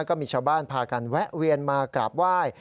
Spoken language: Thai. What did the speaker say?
ก็มีชาวบ้านพากันแวะเวียนมากราบไหว้